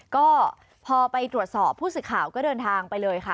ก็พอไปตรวจสอบผู้สื่อข่าวก็เดินทางไปเลยค่ะ